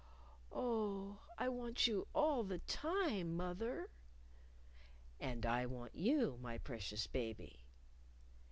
"Oh, I want you all the time, moth er!... And I want you, my precious baby....